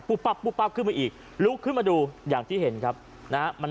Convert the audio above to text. ปั๊บปุ๊บปั๊บขึ้นมาอีกลุกขึ้นมาดูอย่างที่เห็นครับนะฮะมัน